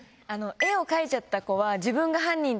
絵を描いちゃった子は。